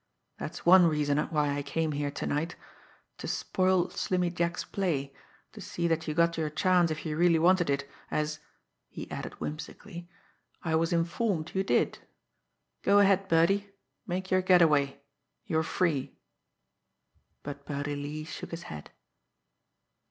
That's one reason why I came here to night to spoil Slimmy Jack's play, to see that you got your chance if you really wanted it, as" he added whimsically "I was informed you did. Go ahead, Birdie make your get away you're free." But Birdie Lee shook his head.